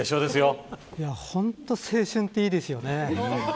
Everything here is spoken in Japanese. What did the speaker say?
本当、青春っていいですよね。